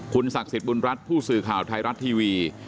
ศักดิ์สิทธิ์บุญรัฐผู้สื่อข่าวไทยรัฐทีวี